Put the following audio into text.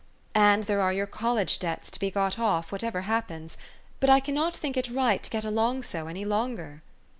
And there are your college debts to be got off, whatever happens ; but I cannot think it right to get along so any longer."